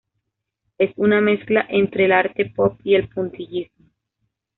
Es una mezcla entre el arte pop y el puntillismo.